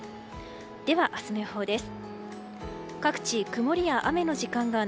では明日の予報です。